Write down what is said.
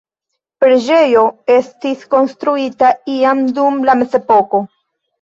Preĝejo estis konstruita iam dum la mezepoko.